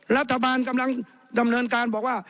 รัฐบาลกำลังดำเนินการบอกว่า